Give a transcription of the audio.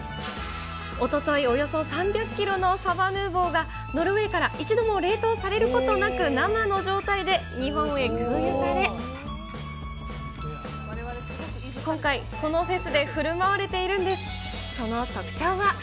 おととい、およそ３００キロのサバヌーヴォーがノルウェーから一度も冷凍されることなく生の状態で日本へ空輸され、今回、このフェスでふるまわれているんです。